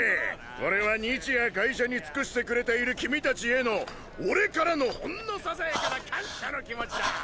これは日夜会社に尽くしてくれている君たちへの俺からのほんのささやかな感謝の気持ちだ。